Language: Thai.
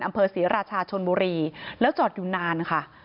อำเภอศรีราชาชนบุรีแล้วจอดอยู่นานค่ะ